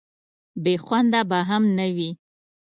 بې خونده به هم نه وي.